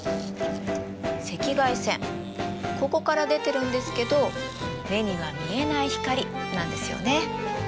赤外線ここから出てるんですけど目には見えない光なんですよね。